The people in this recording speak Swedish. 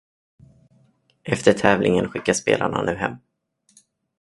Efter tävlingen skickas spelarna nu hem.